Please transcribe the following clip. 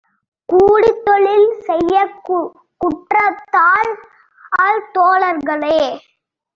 கூடித் தொழில்செய்யாக் குற்றத்தால் தோழர்களே!